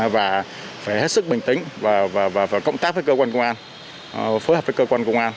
và phải hết sức bình tĩnh và cộng tác với cơ quan công an phối hợp với cơ quan công an